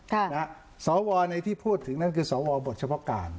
ค่ะนะฮะสวในที่พูดถึงนั่นคือสวบทเฉพาะการ